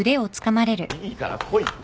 いいから来いよ。